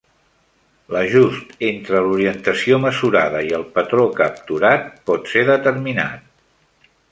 L'"ajust" entre l'orientació mesurada i el patró capturat pot ser determinat.